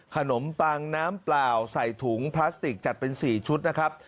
ขนมปังน้ำเปล่าใส่ถุงพลาสติกจัดเป็น๔ชุดนะครับ